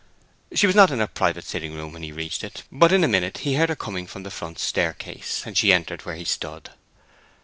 She was not in her private sitting room when he reached it, but in a minute he heard her coming from the front staircase, and she entered where he stood.